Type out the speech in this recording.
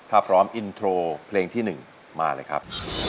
ถ้าพร้อมอินโทรเพลงที่๑มาเลยครับ